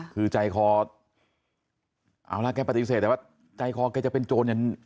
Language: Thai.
คือใจคอเอาละแกปฏิเสธแต่ว่าใจคอแกจะเป็นโจรยัง